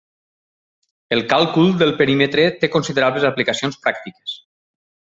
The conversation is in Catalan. El càlcul del perímetre té considerables aplicacions pràctiques.